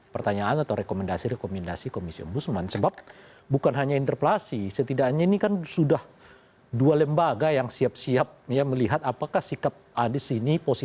prime news segera kembali